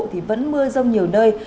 thì vẫn mưa rông nhiều nơi